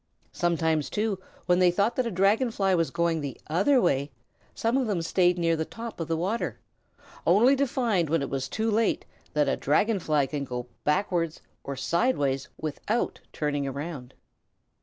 Sometimes, too, when they thought that a Dragon Fly was going the other way, some of them stayed near the top of the water, only to find when it was too late that a Dragon Fly can go backward or sidewise without turning around.